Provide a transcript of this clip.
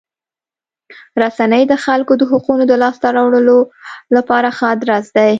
رسنۍ د خلکو د حقوقو د لاسته راوړلو لپاره ښه ادرس دی.